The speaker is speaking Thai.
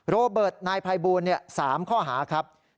โรเบิร์ตนายพยายามบูรณ์๓ข้อหาครับ